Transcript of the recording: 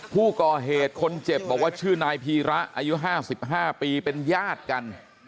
ผู้ก่อเหตุคนเจ็บบอกว่าชื่อนายพีระอายุห้าสิบห้าปีเป็นญาติกัน